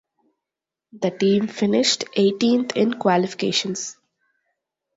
The team finished eighteenth in qualifications.